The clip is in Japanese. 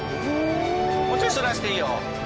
もうちょいスラーしていいよ。